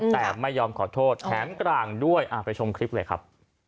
แต่ไม่ยอมขอโทษแถมกลางด้วยไปชมคลิปเลยครับ